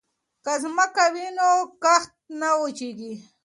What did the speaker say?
که ځمکه وي نو کښت نه وچيږي.